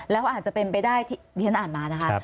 แล้วอาจจะเป็นไปได้ที่ฉันอ่านมานะคะ